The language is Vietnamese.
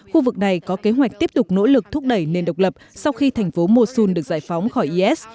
khu vực này có kế hoạch tiếp tục nỗ lực thúc đẩy nền độc lập sau khi thành phố mosun được giải phóng khỏi is